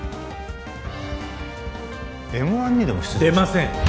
Ｍ−１にでも出ません